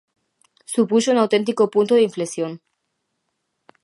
Supuxo un auténtico punto de inflexión.